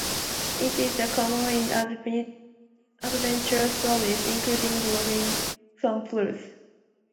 It is also common in adventure stories, including Robinson Crusoe.